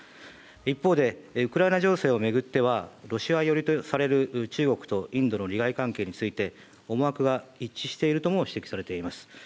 一方で、ウクライナ情勢を巡っては、ロシア寄りとされる中国とインドの利害関係について、思惑が一致しているとも指摘されています。